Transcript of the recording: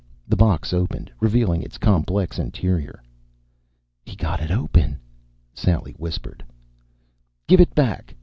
The box opened, revealing its complex interior. "He got it open," Sally whispered. "Give it back!"